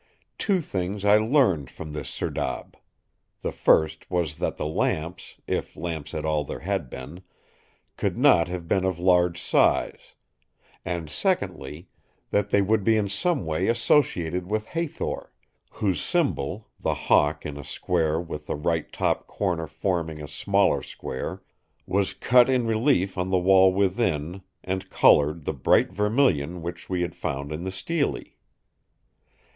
Two things I learned from this serdab. The first was that the lamps, if lamps at all there had been, could not have been of large size; and secondly, that they would be in some way associated with Hathor, whose symbol, the hawk in a square with the right top corner forming a smaller square, was cut in relief on the wall within, and coloured the bright vermilion which we had found on the Stele.